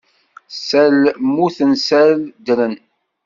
Sal mmuten sal ddren.